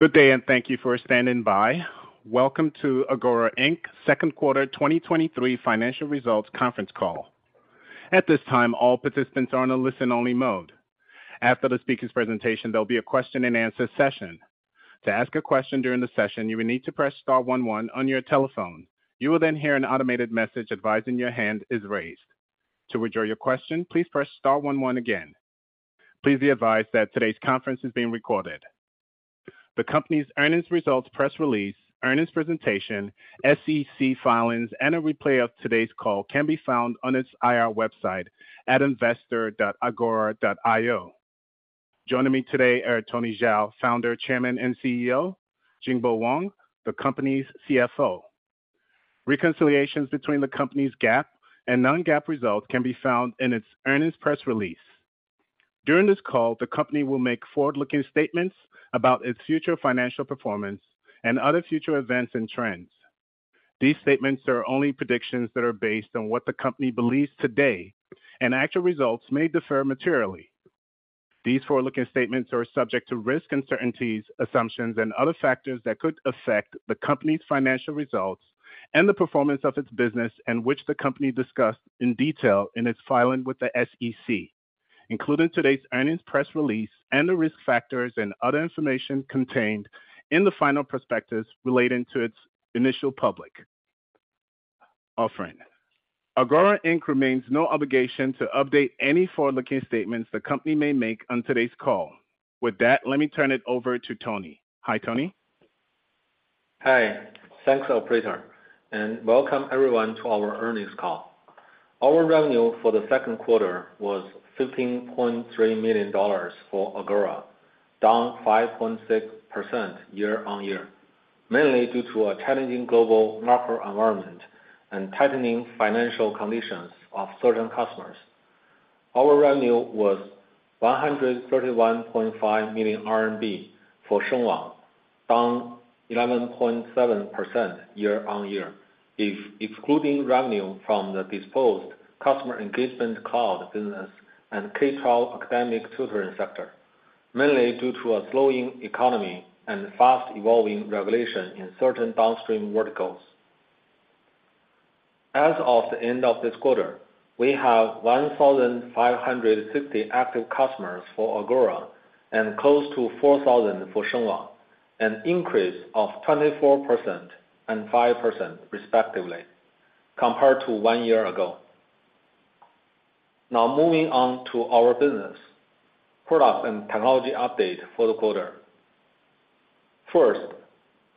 Good day. Thank you for standing by. Welcome to Agora Inc.'s second quarter 2023 financial results conference call. At this time, all participants are on a listen-only mode. After the speaker's presentation, there'll be a question-and-answer session. To ask a question during the session, you will need to press star 11 on your telephone. You will hear an automated message advising your hand is raised. To withdraw your question, please press star 11 again. Please be advised that today's conference is being recorded. The company's earnings results, press release, earnings presentation, SEC filings, and a replay of today's call can be found on its IR website at investor.agora.io. Joining me today are Tony Zhao, Founder, Chairman, and CEO; Jingbo Wang, the company's CFO. Reconciliations between the company's GAAP and non-GAAP results can be found in its earnings press release. During this call, the company will make forward-looking statements about its future financial performance and other future events and trends. These statements are only predictions that are based on what the company believes today, actual results may differ materially. These forward-looking statements are subject to risks, uncertainties, assumptions, and other factors that could affect the company's financial results and the performance of its business, which the company discussed in detail in its filing with the SEC, including today's earnings press release and the risk factors and other information contained in the final prospectus relating to its initial public offering. Agora, Inc. remains no obligation to update any forward-looking statements the company may make on today's call. With that, let me turn it over to Tony. Hi, Tony. Hi. Thanks, Operator, and welcome everyone to our earnings call. Our revenue for the second quarter was $15.3 million for Agora, down 5.6% year-on-year, mainly due to a challenging global market environment and tightening financial conditions of certain customers. Our revenue was 131.5 million RMB for Shengwang, down 11.7% year-on-year. If excluding revenue from the disposed Customer Engagement Cloud business and K-12 academic tutoring sector, mainly due to a slowing economy and fast evolving regulation in certain downstream verticals. As of the end of this quarter, we have 1,560 active customers for Agora and close to 4,000 for Shengwang, an increase of 24% and 5% respectively compared to one year ago. Moving on to our business, products, and technology update for the quarter. First,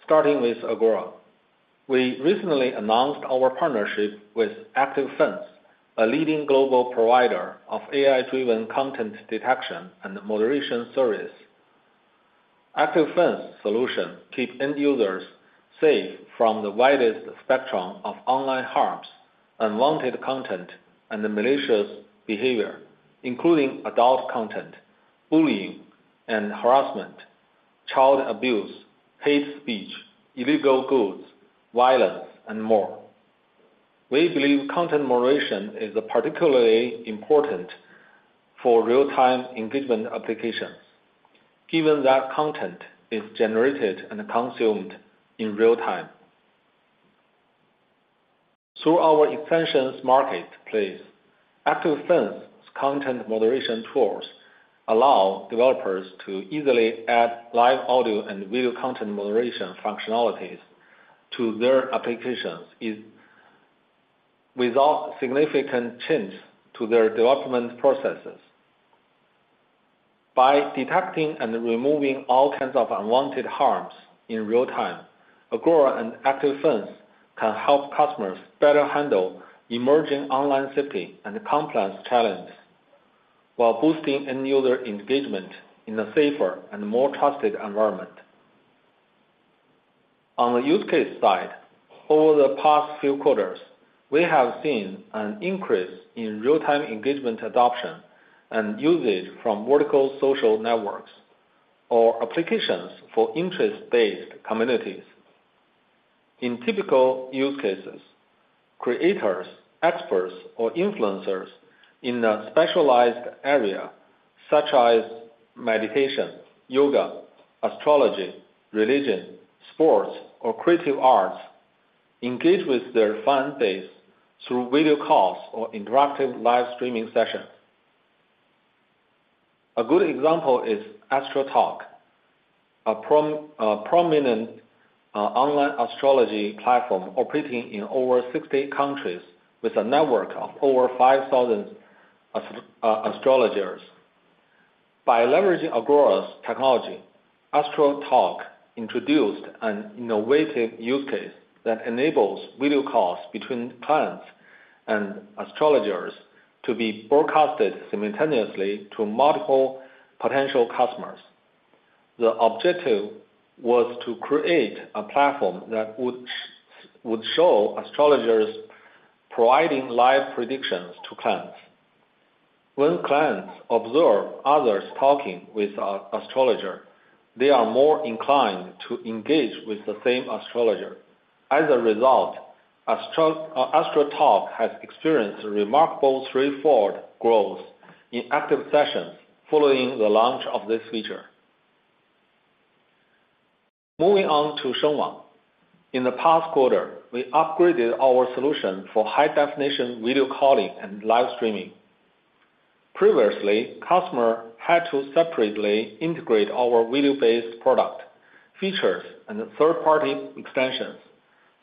starting with Agora. We recently announced our partnership with ActiveFence, a leading global provider of AI-driven content detection and moderation service. ActiveFence solution keep end users safe from the widest spectrum of online harms, unwanted content, and malicious behavior, including adult content, bullying and harassment, child abuse, hate speech, illegal goods, violence, and more. We believe content moderation is particularly important for real-time engagement applications, given that content is generated and consumed in real time. Through our Extensions Marketplace, ActiveFence content moderation tools allow developers to easily add live audio and video content moderation functionalities to their applications without significant change to their development processes. By detecting and removing all kinds of unwanted harms in real time, Agora and ActiveFence can help customers better handle emerging online safety and compliance challenges while boosting end-user engagement in a safer and more trusted environment. On the use case side, over the past few quarters, we have seen an increase in real-time engagement, adoption, and usage from vertical social networks or applications for interest-based communities. In typical use cases, creators, experts, or influencers in a specialized area such as meditation, yoga, astrology, religion, sports, or creative arts, engage with their fan base through video calls or interactive live streaming sessions. A good example is Astrotalk, a prominent online astrology platform operating in over 60 countries with a network of over 5,000 astrologers. By leveraging Agora's technology, Astrotalk introduced an innovative use case that enables video calls between clients and astrologers to be broadcasted simultaneously to multiple potential customers. The objective was to create a platform that would show astrologers providing live predictions to clients. When clients observe others talking with an astrologer, they are more inclined to engage with the same astrologer. Astrotalk has experienced remarkable straightforward growth in active sessions following the launch of this feature. Moving on to Shengwang. In the past quarter, we upgraded our solution for high-definition video calling and live streaming. Previously, customer had to separately integrate our video-based product features and third-party extensions,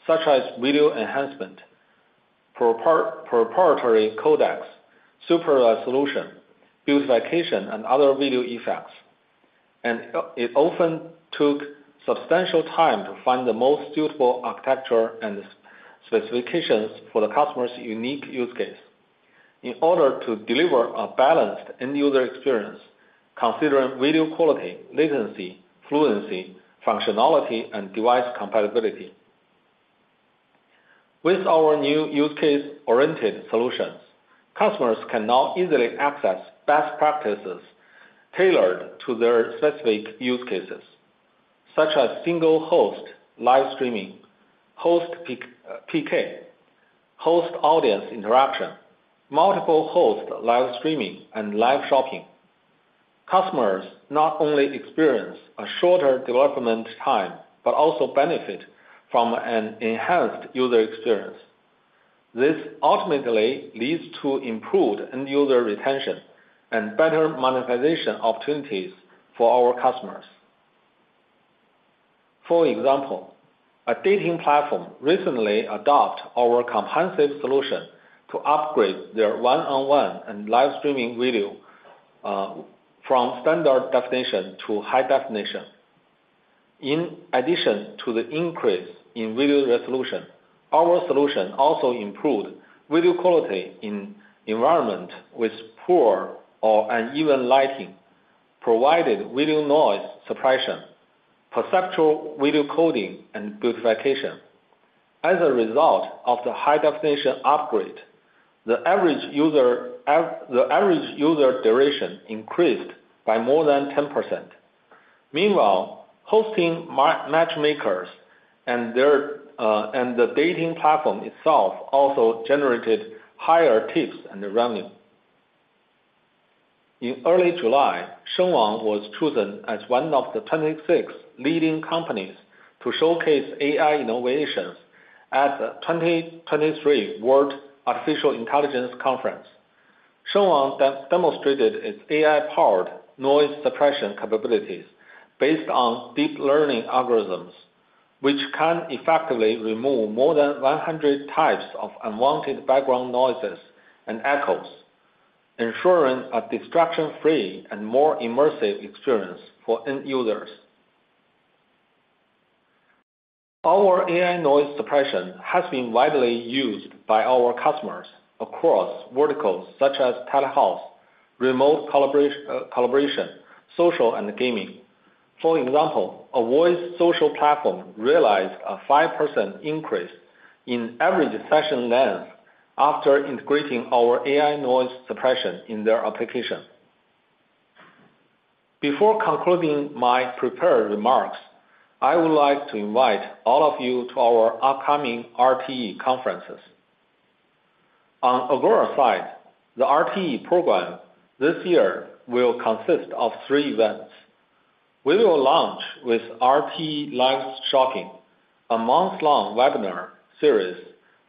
such as video enhancement, proprietary codecs, super-resolution, beautification, and other video effects. It often took substantial time to find the most suitable architecture and specifications for the customer's unique use case. In order to deliver a balanced end-user experience, considering video quality, latency, fluency, functionality, and device compatibility. With our new use case-oriented solutions, customers can now easily access best practices tailored to their specific use cases, such as single-host live streaming, Host PK, host-audience interaction, multiple host live streaming, and live shopping. Customers not only experience a shorter development time, but also benefit from an enhanced user experience. This ultimately leads to improved end-user retention and better monetization opportunities for our customers. For example, a dating platform recently adopt our comprehensive solution to upgrade their one-on-one and live streaming video from standard definition to high definition. In addition to the increase in video resolution, our solution also improved video quality in environment with poor or uneven lighting, provided video noise suppression, Perceptual Video Coding, and beautification. As a result of the high-definition upgrade, the average user duration increased by more than 10%. Meanwhile, hosting matchmakers and their... The dating platform itself also generated higher tips and revenue. In early July, Shengwang was chosen as one of the 26 leading companies to showcase AI innovations at the 2023 World Artificial Intelligence Conference. Shengwang demonstrated its AI-powered noise suppression capabilities based on deep learning algorithms, which can effectively remove more than 100 types of unwanted background noises and echoes, ensuring a distraction-free and more immersive experience for end users. Our AI noise suppression has been widely used by our customers across verticals such as telehealth, remote collaboration, social, and gaming. For example, a voice social platform realized a 5% increase in average session length after integrating our AI noise suppression in their application. Before concluding my prepared remarks, I would like to invite all of you to our upcoming RTE conferences. On Agora side, the RTE program this year will consist of three events. We will launch with RTE Live Shopping, a month-long webinar series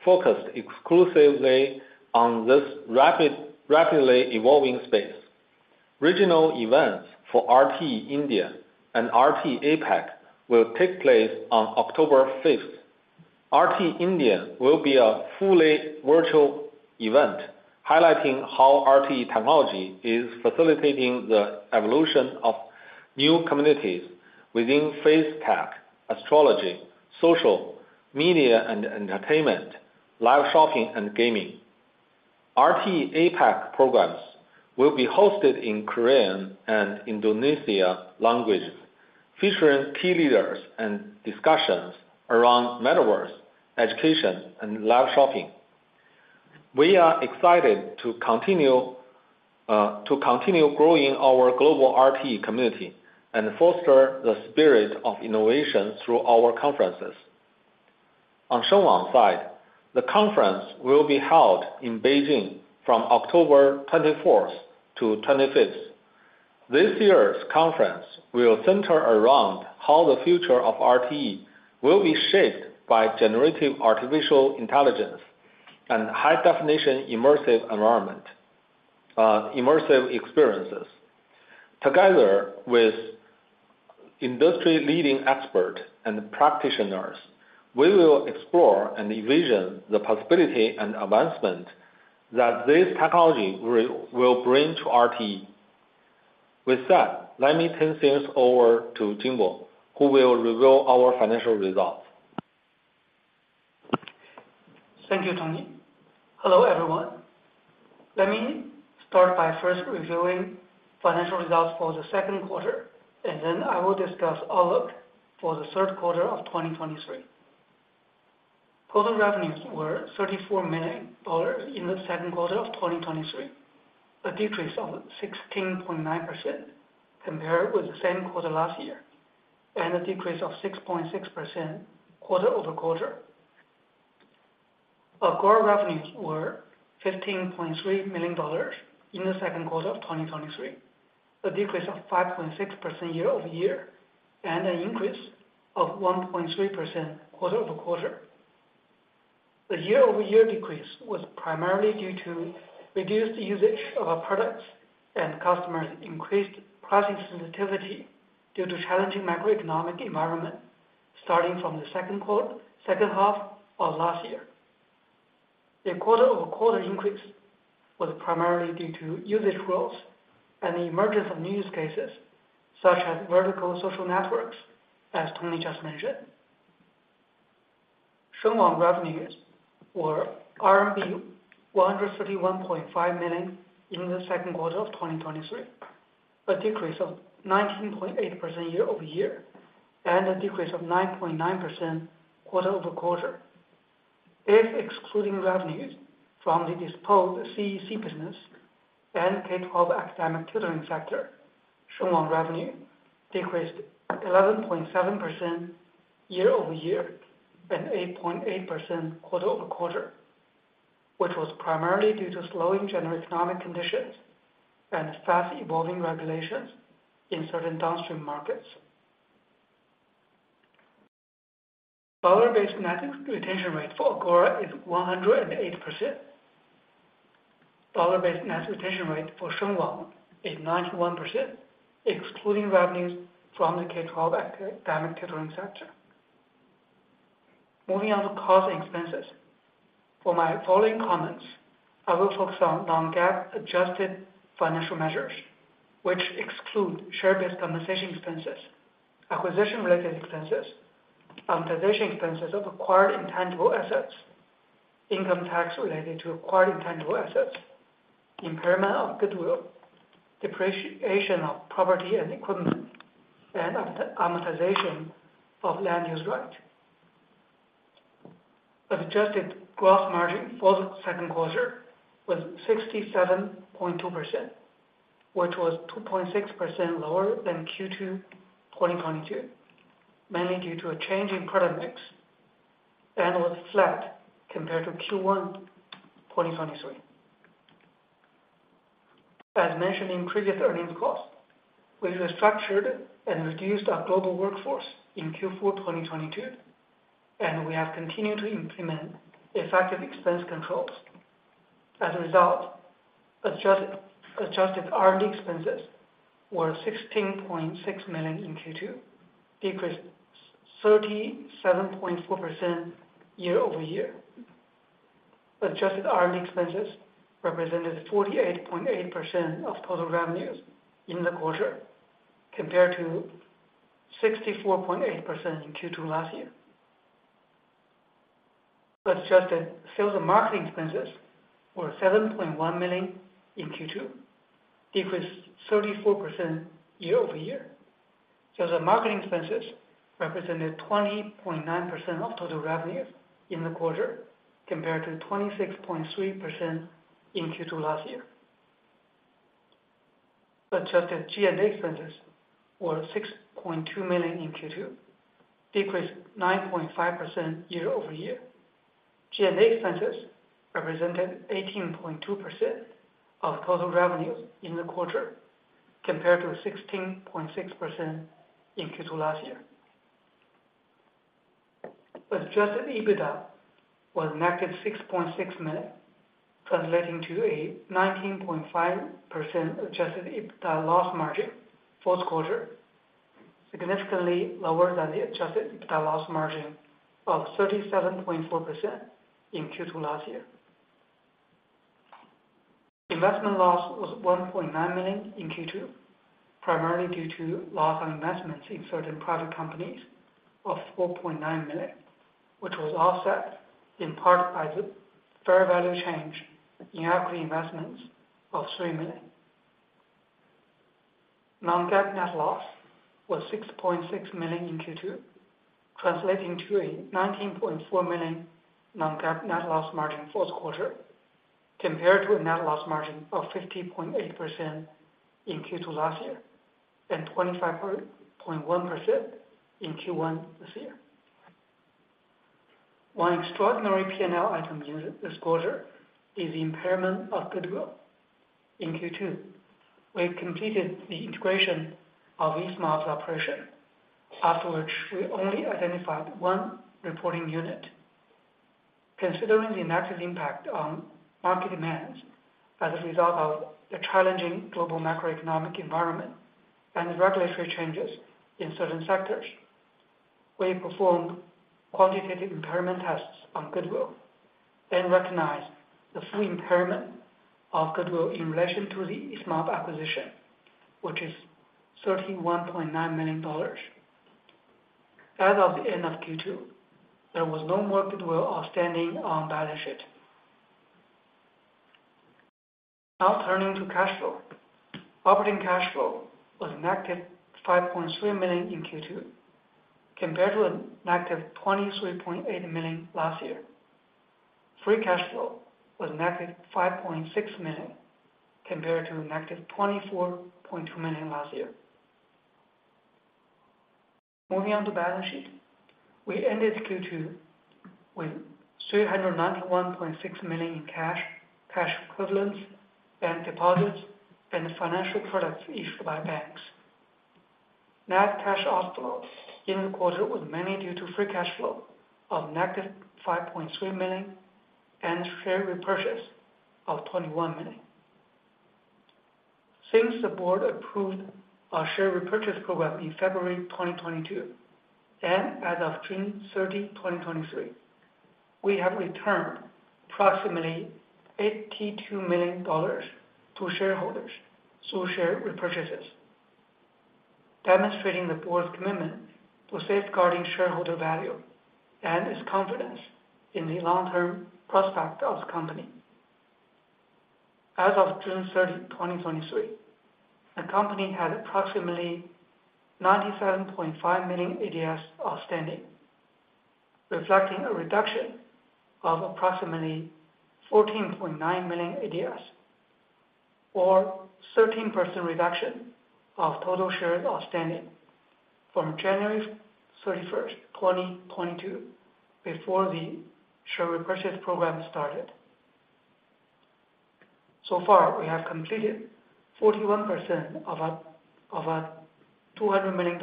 focused exclusively on this rapid, rapidly evolving space. Regional events for RTE India and RTE APAC will take place on October fifth. RTE India will be a fully virtual event, highlighting how RTE technology is facilitating the evolution of new communities within FaceTec, astrology, social, media, and entertainment, live shopping, and gaming. RTE APAC programs will be hosted in Korean and Indonesia languages, featuring key leaders and discussions around metaverse, education, and live shopping. We are excited to continue to continue growing our global RTE community and foster the spirit of innovation through our conferences. On Shengwang side, the conference will be held in Beijing from October 24th to 25th. This year's conference will center around how the future of RTE will be shaped by generative artificial intelligence and high-definition, immersive environment, immersive experiences. Together with industry-leading expert and practitioners, we will explore and envision the possibility and advancement that this technology will bring to RTE. With that, let me turn things over to Jingbo, who will reveal our financial results. Thank you, Tony. Hello, everyone. Let me start by first reviewing financial results for the second quarter, and then I will discuss outlook for the third quarter of 2023. Total revenues were $34 million in the second quarter of 2023, a decrease of 16.9% compared with the same quarter last year. A decrease of 6.6% quarter-over-quarter. Agora revenues were $15.3 million in the second quarter of 2023, a decrease of 5.6% year-over-year, and an increase of 1.3% quarter-over-quarter. The year-over-year decrease was primarily due to reduced usage of our products and customers' increased pricing sensitivity due to challenging macroeconomic environment, starting from the second half of last year. The quarter-over-quarter increase was primarily due to usage growth and the emergence of new use cases such as vertical social networks, as Tony just mentioned. Shengwang revenues were RMB 131.5 million in the second quarter of 2023, a decrease of 19.8% year-over-year, and a decrease of 9.9% quarter-over-quarter. If excluding revenues from the disposed CEC business and K-12 academic tutoring sector, Shengwang revenue decreased 11.7% year-over-year and 8.8% quarter-over-quarter, which was primarily due to slowing general economic conditions and fast evolving regulations in certain downstream markets. Dollar-based net retention rate for Agora is 108%. Dollar-based net retention rate for Shengwang is 91%, excluding revenues from the K-12 academic tutoring sector. Moving on to cost and expenses. For my following comments, I will focus on non-GAAP adjusted financial measures, which exclude share-based compensation expenses, acquisition-related expenses, amortization expenses of acquired intangible assets, income tax related to acquired intangible assets, impairment of goodwill, depreciation of property and equipment, and amortization of land use right. Adjusted gross margin for the second quarter was 67.2%, which was 2.6% lower than Q2 2022, mainly due to a change in product mix and was flat compared to Q1 2023. As mentioned in previous earnings calls, we restructured and reduced our global workforce in Q4 2022, and we have continued to implement effective expense controls. As a result, adjusted R&D expenses were $16.6 million in Q2, decreased 37.4% year-over-year. Adjusted R&D expenses represented 48.8% of total revenues in the quarter, compared to 64.8% in Q2 last year. Adjusted sales and marketing expenses were $7.1 million in Q2, decreased 34% year-over-year. Sales and marketing expenses represented 20.9% of total revenue in the quarter, compared to 26.3% in Q2 last year. Adjusted G&A expenses were $6.2 million in Q2, decreased 9.5% year-over-year. G&A expenses represented 18.2% of total revenues in the quarter, compared to 16.6% in Q2 last year. Adjusted EBITDA was negative $6.6 million, translating to a 19.5% adjusted EBITDA loss margin for this quarter, significantly lower than the adjusted EBITDA loss margin of 37.4% in Q2 last year. Investment loss was $1.9 million in Q2, primarily due to loss on investments in certain private companies of $4.9 million, which was offset in part by the fair value change in equity investments of $3 million. Non-GAAP net loss was $6.6 million in Q2, translating to a $19.4 million non-GAAP net loss margin for this quarter, compared to a net loss margin of 50.8% in Q2 last year and 25.1% in Q1 this year. One extraordinary P&L item in this quarter is the impairment of goodwill. In Q2, we completed the integration of ESMA's operation, after which we only identified one reporting unit. Considering the negative impact on market demands as a result of the challenging global macroeconomic environment and regulatory changes in certain sectors, we performed quantitative impairment tests on goodwill and recognized the full impairment of goodwill in relation to the ESMA acquisition, which is $31.9 million. As of the end of Q2, there was no more goodwill outstanding on balance sheet. Now turning to cash flow. Operating cash flow was negative $5.3 million in Q2, compared to a negative $23.8 million last year. free cash flow was negative $5.6 million, compared to negative $24.2 million last year. Moving on to balance sheet. We ended Q2 with $391.6 million in cash, cash equivalents, bank deposits, and financial products issued by banks. Net cash outflows in the quarter was mainly due to free cash flow of -$5.3 million and share repurchase of $21 million. Since the board approved our share repurchase program in February 2022, and as of June 30, 2023, we have returned approximately $82 million to shareholders through share repurchases, demonstrating the board's commitment to safeguarding shareholder value and its confidence in the long-term prospect of the company. As of June 30, 2023, the company had approximately 97.5 million ADSs outstanding, reflecting a reduction of approximately 14.9 million ADSs, or 13% reduction of total shares outstanding from January 31st, 2022, before the share repurchase program started. So far, we have completed 41% of our $200 million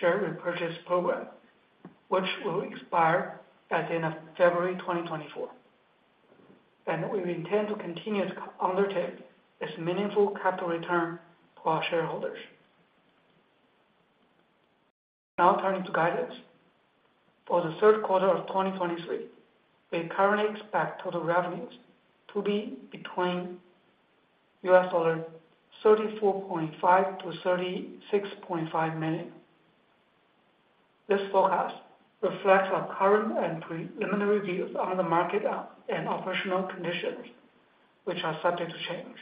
share repurchase program, which will expire at the end of February 2024. We intend to continue to undertake this meaningful capital return to our shareholders. Now turning to guidance. For the third quarter of 2023, we currently expect total revenues to be between $34.5 million-$36.5 million. This forecast reflects our current and preliminary views on the market and operational conditions, which are subject to change.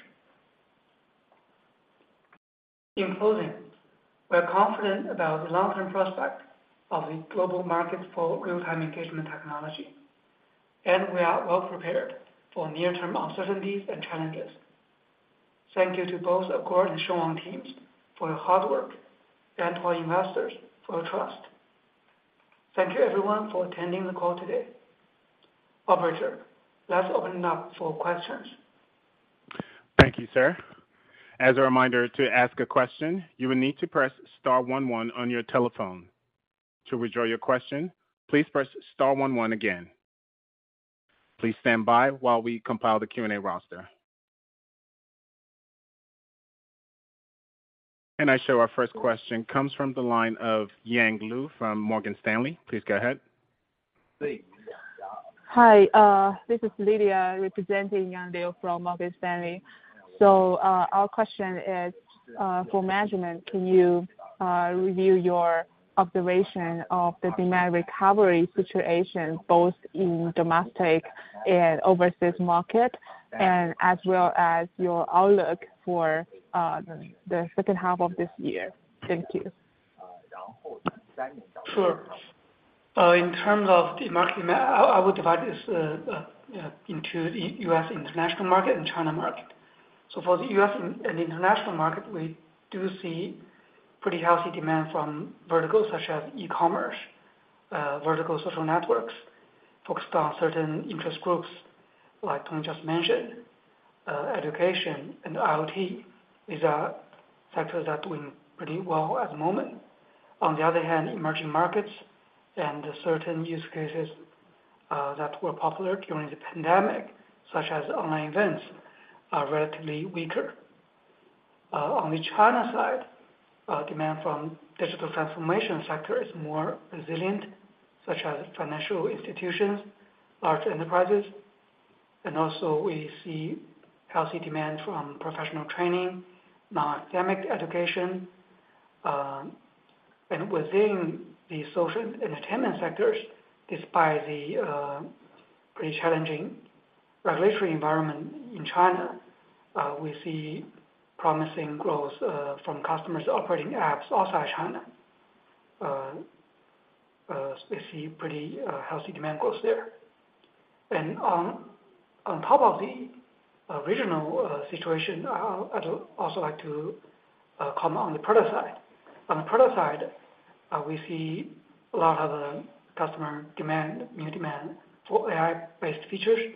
In closing, we are confident about the long-term prospect of the global market for real-time engagement technology. We are well prepared for near-term uncertainties and challenges. Thank you to both Agora and Shengwang teams for your hard work. To our investors for your trust. Thank you everyone for attending the call today. Operator, let's open it up for questions. Thank you, sir. As a reminder, to ask a question, you will need to press star one one on your telephone. To withdraw your question, please press star one one again. Please stand by while we compile the Q&A roster. I show our first question comes from the line of Yang Liu from Morgan Stanley. Please go ahead. Hi, this is Lydia, representing Yang Liu from Morgan Stanley. Our question is, for management, can you review your observation of the demand recovery situation, both in domestic and overseas market, and as well as your outlook for the second half of this year? Thank you. Sure. In terms of the market, I, I would divide this into the US international market and China market. For the US and international market, we do see pretty healthy demand from verticals such as e-commerce, vertical social networks focused on certain interest groups, like Tony just mentioned. Education and IoT is sectors that are doing pretty well at the moment. On the other hand, emerging markets and certain use cases that were popular during the pandemic, such as online events, are relatively weaker. On the China side, demand from digital transformation sector is more resilient, such as financial institutions, large enterprises, and also we see healthy demand from professional training, non-academic education. Within the social entertainment sectors, despite the pretty challenging regulatory environment in China, we see promising growth from customers operating apps outside China. We see pretty healthy demand growth there. On top of the regional situation, I'd also like to comment on the product side. On the product side, we see a lot of the customer demand, new demand for AI-based features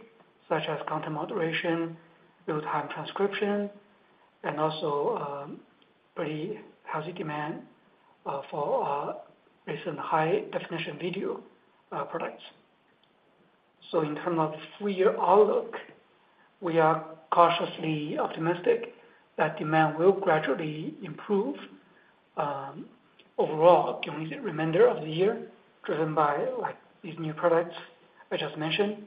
such as content moderation, Real-Time Transcription, and also pretty healthy demand for recent high-definition video products. In terms of full year outlook, we are cautiously optimistic that demand will gradually improve overall, during the remainder of the year, driven by, like, these new products I just mentioned,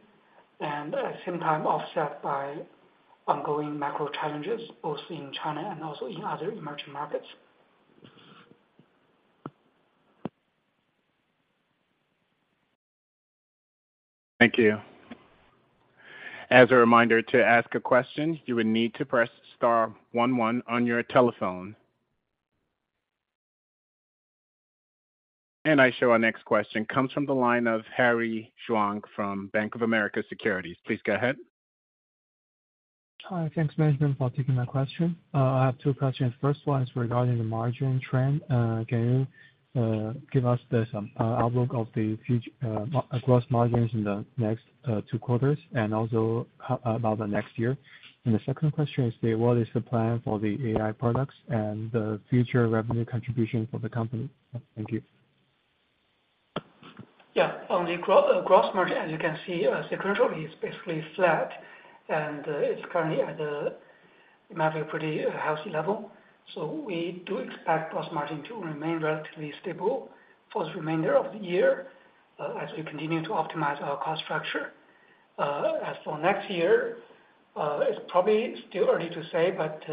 and at the same time, offset by ongoing macro challenges, both in China and also in other emerging markets. Thank you. As a reminder, to ask a question, you will need to press star one one on your telephone. I show our next question comes from the line of Harry Zhuang from Bank of America Securities. Please go ahead. Hi. Thanks, management, for taking my question. I have two questions. First one is regarding the margin trend. Can you give us the, some, outlook of the gross margins in the next two quarters, and also about the next year? The second question is: say, what is the plan for the AI products and the future revenue contribution for the company? Thank you. Yeah. On the gross margin, as you can see, sequentially is basically flat, and it's currently at a, maybe a pretty healthy level. We do expect gross margin to remain relatively stable for the remainder of the year, as we continue to optimize our cost structure. As for next year, it's probably still early to say, but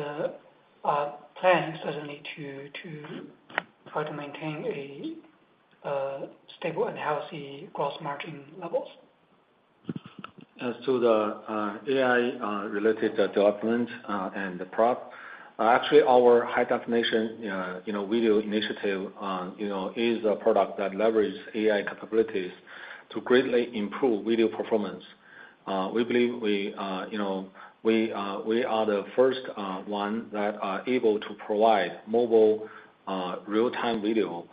our plan is certainly to, to try to maintain a stable and healthy gross margin levels. As to the AI related development and the product, actually, our high definition, you know, video initiative, you know, is a product that leverages AI capabilities to greatly improve video performance. We believe we, you know, we are the first one that are able to provide mobile real-time video,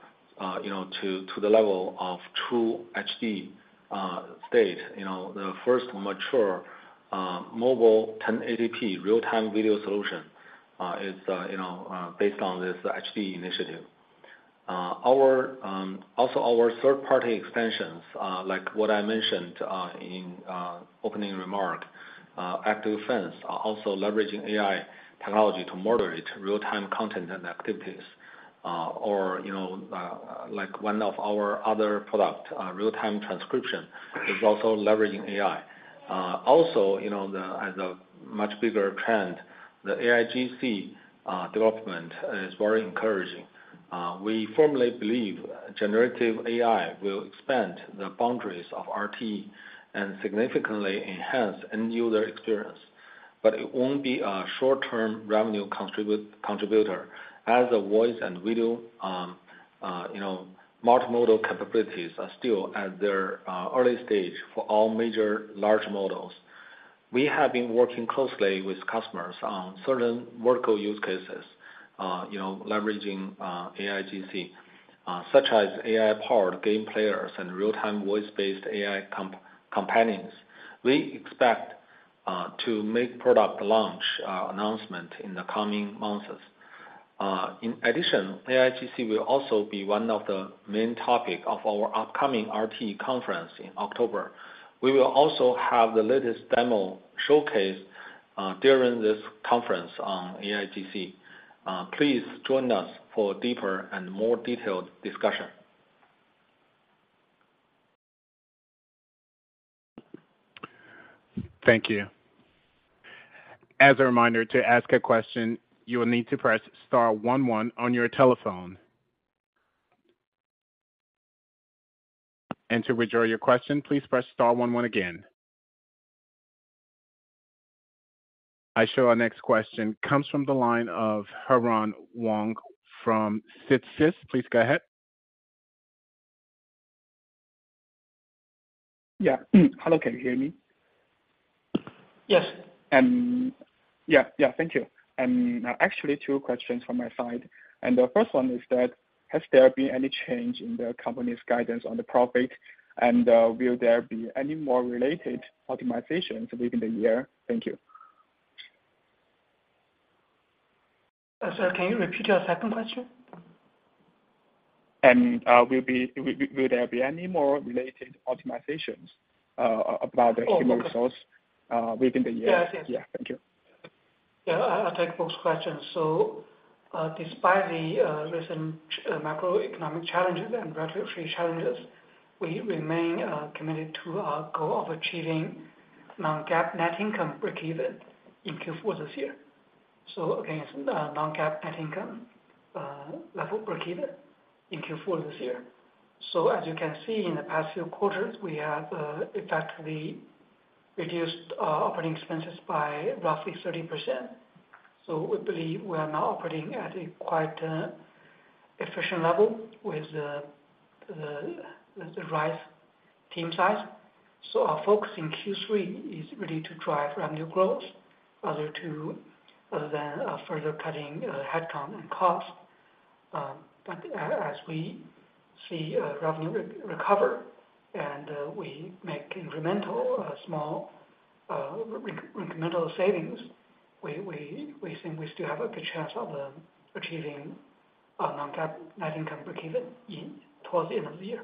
you know, to the level of true HD state. You know, the first mature mobile 1080p real-time video solution is, you know, based on this HD initiative. Our, also our third-party extensions, like what I mentioned in opening remark, ActiveFence are also leveraging AI technology to moderate real-time content and activities. You know, like one of our other product, Real-Time Transcription, is also leveraging AI. Also, you know, the, as a much bigger trend, the AIGC development is very encouraging. We firmly believe generative AI will expand the boundaries of RT and significantly enhance end user experience, but it won't be a short-term revenue contribue- contributor, as the voice and video, you know, multimodal capabilities are still at their early stage for all major large models. We have been working closely with customers on certain vertical use cases, you know, leveraging AIGC, such as AI-powered game players and real-time voice-based AI comp- companions. We expect to make product launch announcement in the coming months. In addition, AIGC will also be one of the main topic of our upcoming RT conference in October. We will also have the latest demo showcase during this conference on AIGC. Please join us for a deeper and more detailed discussion. Thank you. As a reminder, to ask a question, you will need to press star one one on your telephone. To withdraw your question, please press star one one again. I show our next question comes from the line of Huan Wang from CICC. Please go ahead. Yeah. Hello, can you hear me? Yes. Yeah, yeah, thank you. Actually two questions from my side. The first one is that, has there been any change in the company's guidance on the profit? Will there be any more related optimizations within the year? Thank you. Sir, can you repeat your second question? will there be any more related optimizations about the human- Oh, okay. resource, within the year? Yeah, I see. Yeah. Thank you. Yeah, I, I'll take both questions. Despite the recent macroeconomic challenges and regulatory challenges, we remain committed to our goal of achieving non-GAAP net income breakeven in Q4 this year. Again, it's non-GAAP net income level breakeven in Q4 this year. As you can see, in the past few quarters, we have effectively reduced our operating expenses by roughly 30%. We believe we are now operating at a quite efficient level with the right team size. Our focus in Q3 is really to drive revenue growth rather to, other than, further cutting headcount and cost. As we see revenue recover and we make incremental small incremental savings, we, we, we think we still have a good chance of achieving a non-GAAP net income breakeven in, towards the end of the year.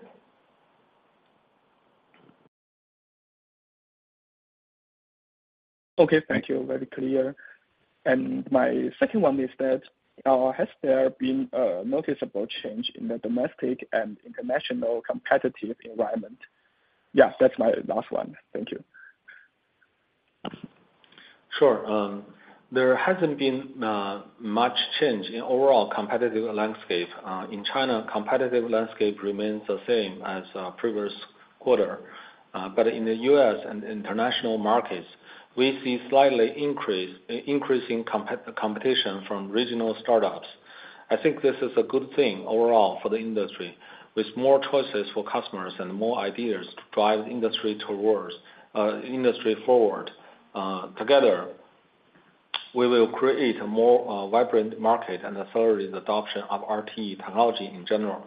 Okay, thank you. Very clear. My second one is that, has there been a noticeable change in the domestic and international competitive environment? Yeah, that's my last one. Thank you. Sure. There hasn't been much change in overall competitive landscape. In China, competitive landscape remains the same as previous quarter. In the US and international markets, we see slightly increasing competition from regional startups. I think this is a good thing overall for the industry, with more choices for customers and more ideas to drive industry forward. Together, we will create a more vibrant market and accelerate the adoption of RT technology in general.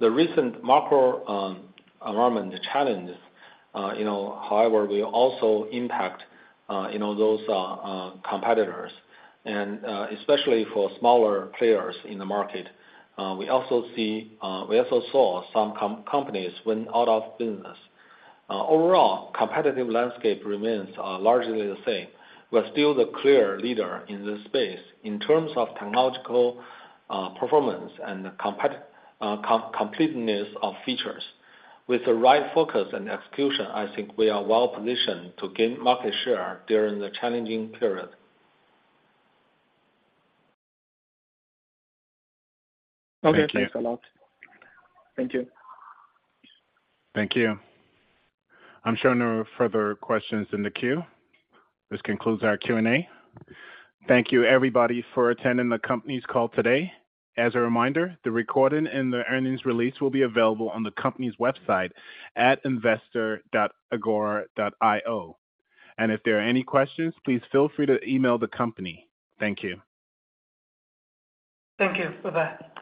The recent macro environment challenges, you know, however, will also impact, you know, those competitors, and especially for smaller players in the market. We also see, we also saw some companies went out of business. Overall, competitive landscape remains largely the same. We're still the clear leader in this space in terms of technological, performance and completeness of features. With the right focus and execution, I think we are well positioned to gain market share during the challenging period. Okay. Thank you. Thanks a lot. Thank you. Thank you. I'm showing no further questions in the queue. This concludes our Q&A. Thank you, everybody, for attending the company's call today. As a reminder, the recording and the earnings release will be available on the company's website at investor.agora.io. If there are any questions, please feel free to email the company. Thank you. Thank you. Bye-bye. Bye.